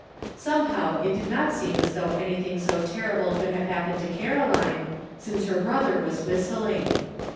Some how it did not seem as though anything so ter rible could have happened to Caroline, since her brother was whistling.